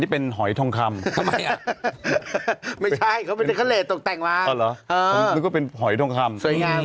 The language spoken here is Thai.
พร้อมบนอันนี้เป็นหอยทองคำ